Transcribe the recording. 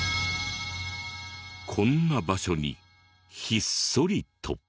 こんな場所にひっそりと。